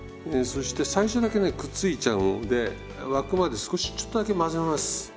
そして最初だけねくっついちゃうんで沸くまで少しちょっとだけ混ぜます。